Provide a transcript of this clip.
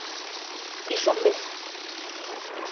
Iso é un vezo.